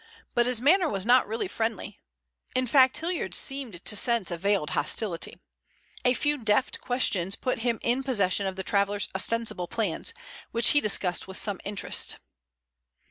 But his manner was not really friendly; in fact, Hilliard seemed to sense a veiled hostility. A few deft questions put him in possession of the travelers ostensible plans, which he discussed with some interest.